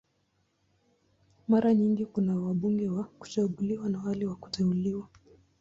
Mara nyingi kuna wabunge wa kuchaguliwa na wale wa kuteuliwa.